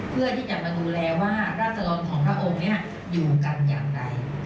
เพื่อที่จะมาดูแลว่าราศดรของพระองค์นี้อยู่กันอย่างไร